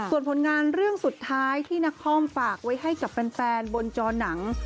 ส่วนผลงานเรื่องสุดท้ายที่นครฝากไว้ให้กับแฟนบนจอหนัง